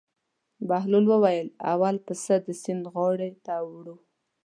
بهلول وویل: اول پسه د سیند غاړې ته وړو.